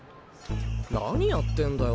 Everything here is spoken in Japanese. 何やってんだよ